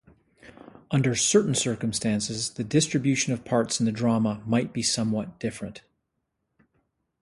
Under certain circumstances the distribution of parts in the drama might be somewhat different.